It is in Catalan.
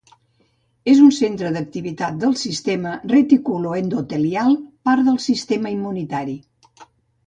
És un centre d'activitat del sistema reticuloendotelial, part del sistema immunitari.